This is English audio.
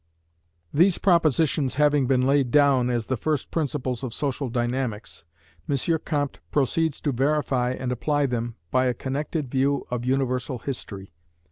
These propositions having been laid down as the first principles of social dynamics, M. Comte proceeds to verify and apply them by a connected view of universal history.